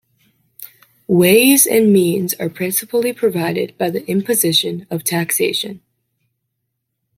Ways and means are principally provided by the imposition of taxation.